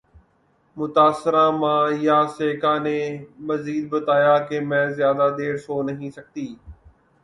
متاثرہ ماں یاسیکا نے مزید بتایا کہ میں زیادہ دیر سو نہیں سکتی